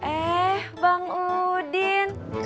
eh bang udin